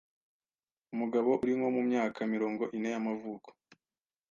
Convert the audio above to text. umugabo uri nko mu myaka miringo ine y’amavuko,